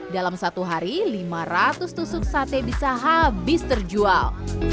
dalam satu hari lima ratus tusuk sate bisa habis terjual